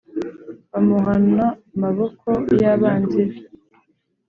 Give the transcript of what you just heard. Bamuhana maboko y abanzi be